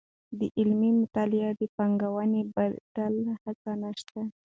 د علمي مطالعې د پانګوونې بدیل هیڅ نشته.